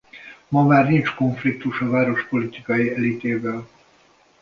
Ma már nincs konfliktus a város politikai elitével.